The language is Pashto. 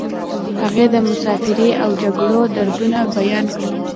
هغې د مسافرۍ او جګړې دردونه بیان کړل